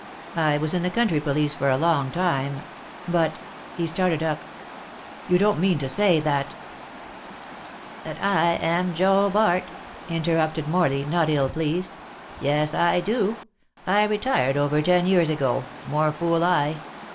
I was in the country police for a long time. But" he started up "you don't mean to say that " "That I am Joe Bart?" interrupted Morley, not ill pleased. "Yes, I do. I retired over ten years ago, more fool I.